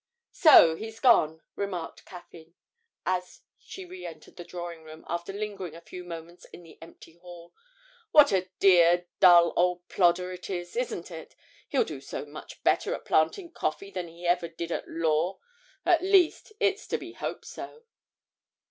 'So he's gone!' remarked Caffyn, as she re entered the drawing room after lingering a few moments in the empty hall. 'What a dear, dull old plodder it is, isn't it? He'll do much better at planting coffee than he ever did at law at least, it's to be hoped so!'